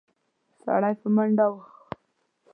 سړی په منډه و.